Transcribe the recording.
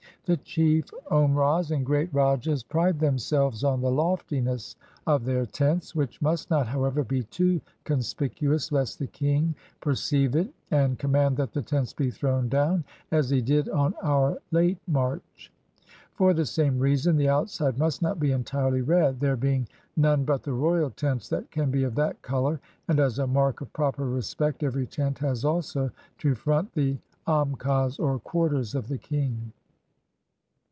The chief OmraJis and great Rajahs pride themselves on the loftiness of their tents, which must not. however, be too conspicuous, lest the king perceive it and com mand that the tents be thro'RTi down, as he did on our late march. For the same reason, the outside must not be entirely red, there being none but the royal tents that can be of that color; and as a mark of proper respect ever>" tent has also to front the am kas, or quarters of the king.